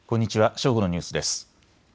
正午のニュースです。